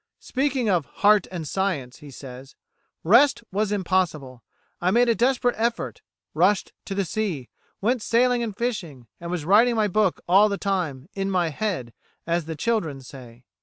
Speaking of "Heart and Science," he says: "Rest was impossible. I made a desperate effort, rushed to the sea, went sailing and fishing, and was writing my book all the time 'in my head,' as the children say.